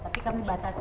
tapi kami batas